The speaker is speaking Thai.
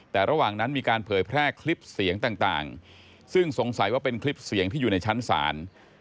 แต่ระหว่างนั้นมีการเผยแพร่คลิปเสียงต่างซึ่งสงสัยว่าเป็นคลิปเสียงที่อยู่ในชั้นศาล